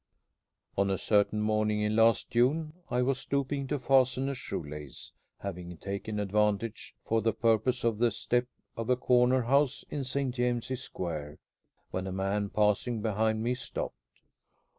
On a certain morning in last June I was stooping to fasten a shoe lace, having taken advantage for the purpose of the step of a corner house in St. James's Square, when a man passing behind me stopped.